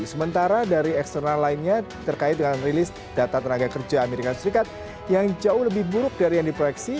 sementara dari eksternal lainnya terkait dengan rilis data tenaga kerja amerika serikat yang jauh lebih buruk dari yang diproyeksi